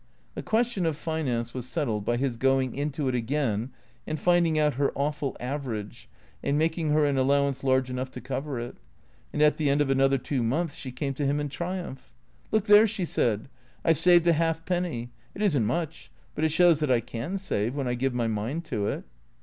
The question of finance was settled by his going into it again and finding out her awful average and making her an allow ance large enough to cover it. And at the end of another two months she came to him in triumph. " Look there," she said. " I 've saved a halfpenny. It is n't much, but it shows that I can save when I give my mind to it."